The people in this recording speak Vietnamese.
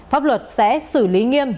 pháp luật sẽ xử lý nghiêm